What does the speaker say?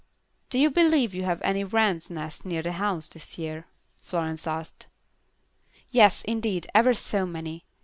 "Do you believe you have any wrens' nests near the house, this year?" Florence asked. "Yes, indeed, ever so many.